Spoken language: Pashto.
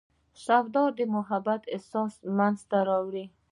سود د محبت احساس له منځه وړي.